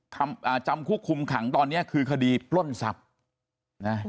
คำอ่าจำคุกคุมขังตอนเนี้ยคือทร่นทรรพน่ะ